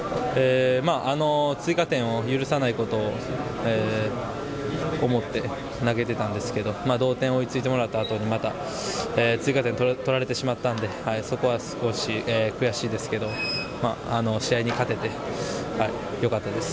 追加点を許さないことを思って投げてたんですけど、同点追いついてもらったあとにまた追加点取られてしまったんで、そこは少し悔しいですけど、試合に勝ててよかったです。